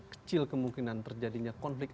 kecil kemungkinan terjadinya konflik